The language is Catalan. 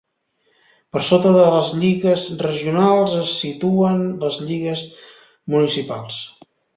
Per sota de les lligues regionals es situen les lligues municipals.